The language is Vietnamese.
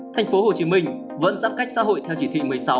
thành phố hồ chí minh vẫn giãn cách xã hội theo chỉ thị một mươi sáu